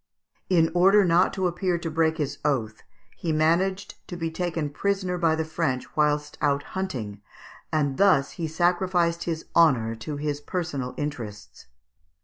In order not to appear to break his oath, he managed to be taken prisoner by the French whilst out hunting, and thus he sacrificed his honour to his personal interests.